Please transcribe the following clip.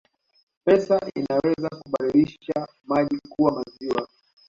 Pesa inaweza kubadilisha maji kuwa maziwa